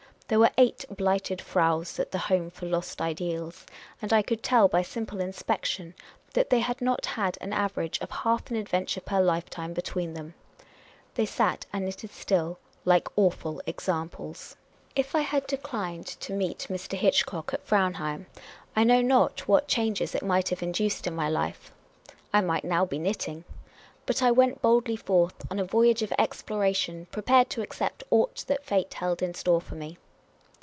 There were eight Blighted Fraus at the Home for Lost Ideals, and I could tell by simple inspection that they had not had an average of half an adventure per lifetime between them. They sat and knitted still, like Awful Examples. If I had declined to meet Mr. Hitchcock at Fraunheim, I \.. 72 Miss Caylcy's Adventures know not what changes it might have induced in my life. I might now be knitting. But I went boldly forth, on a voy age of exploration, prepared to accept aught that fate held in store for me.